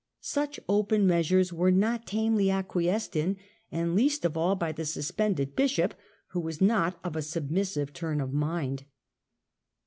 Such open measures were not tamely acquiesced in, and least of all by the suspended bishop, who was not of a submissive turn of mind.